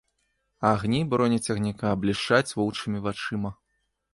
Агні бронецягніка блішчаць воўчымі вачыма.